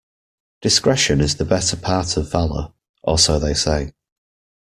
Discretion is the better part of valour, or so they say.